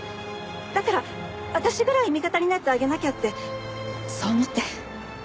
だから私ぐらい味方になってあげなきゃってそう思って。